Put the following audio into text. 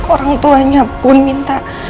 orangtuanya pun minta